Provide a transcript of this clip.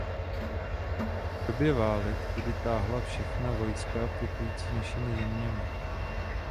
V době válek tudy táhla všechna vojska putující našimi zeměmi.